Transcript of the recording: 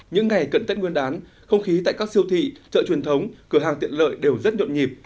những ngày cận tết nguyên đán không khí tại các siêu thị chợ truyền thống cửa hàng tiện lợi đều rất nhộn nhịp